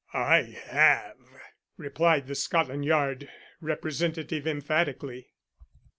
"I have," replied the Scotland Yard representative emphatically.